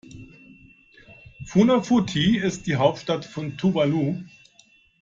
Funafuti ist die Hauptstadt von Tuvalu.